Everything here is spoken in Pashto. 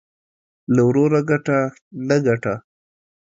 له وروره گټه ، نه گټه.